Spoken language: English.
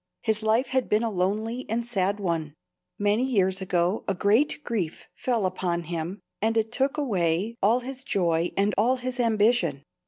His life had been a lonely and sad one. Many years ago a great grief fell upon him, and it took away all his joy and all his ambition.